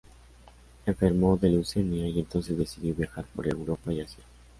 Enfermó de leucemia y entonces decidió viajar por Europa y Asia.